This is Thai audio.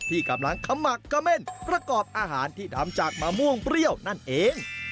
ที่กำลังขมักกะเม่นประกอบอาหารที่ทำจากมะม่วงเปรี้ยวนั่นเอง